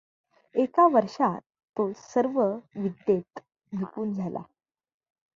एका वर्षांत तो सर्व विद्येंत निपुण झाला.